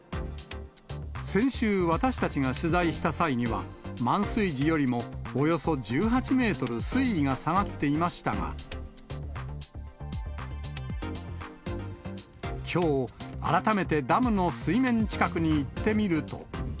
先週、私たちが取材した際には、満水時よりもおよそ１８メートル水位が下がっていましたが、きょう、改めてダムの水面近くに行ってみると。